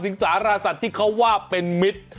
สารสัตว์ที่เขาว่าเป็นมิตร